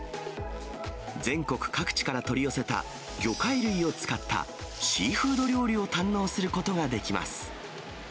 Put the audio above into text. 全国各地から取り寄せた魚介類を使ったシーフード料理を堪能することができます。